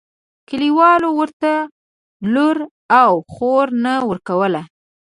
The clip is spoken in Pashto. کلیوالو ورته لور او خور نه ورکوله.